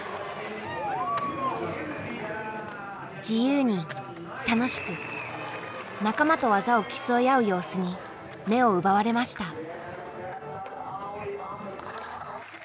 自由に楽しく仲間と技を競い合う様子に目を奪われました。